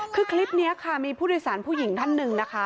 คือคลิปนี้ค่ะมีผู้โดยสารผู้หญิงท่านหนึ่งนะคะ